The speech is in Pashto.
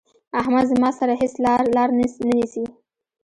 احمد زما سره هيڅ لار نه نيسي.